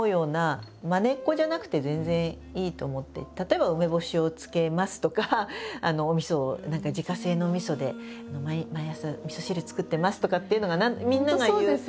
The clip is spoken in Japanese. でも例えば梅干しを漬けますとかおみそを自家製のおみそで毎朝みそ汁作ってますとかっていうのがみんながいうイメージ。